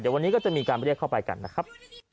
เดี๋ยววันนี้ก็จะมีการเรียกเข้าไปกันนะครับ